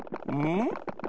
うん？